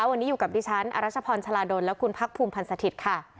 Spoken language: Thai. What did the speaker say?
วันนี้อยู่กับดิฉันอรัชพรชาลาดลและคุณพักภูมิพันธ์สถิตย์ค่ะ